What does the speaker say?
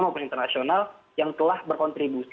maupun internasional yang telah berkontribusi